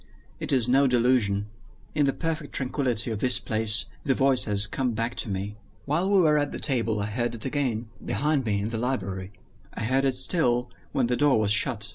It is no delusion. In the perfect tranquillity of this place the voice has come back to me. While we were at table I heard it again behind me, in the library. I heard it still, when the door was shut.